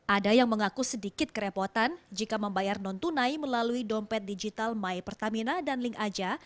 ada yang mengaku sedikit kerepotan jika membayar non tunai melalui dompet digital my pertamina dan link aja